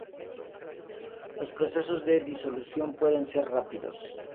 Los procesos de disolución pueden ser rápidos.